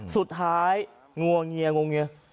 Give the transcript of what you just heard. สุดท้ายงวงเงียงวงเงีย